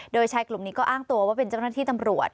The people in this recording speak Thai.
โดยชายกลุ่มนี้ก็อ้างตัวว่าเป็นเจ้าหน้าที่ตำรวจ